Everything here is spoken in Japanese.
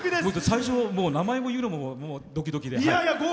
最初、名前も言うのもドキドキで。